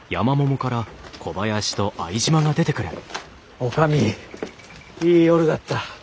女将いい夜だった。